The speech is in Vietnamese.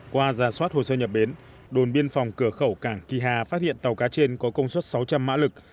qua giả soát hồ sơ nhập bến đồn biên phòng cửa khẩu cảng kỳ hà phát hiện tàu cá trên có công suất sáu trăm linh mã lực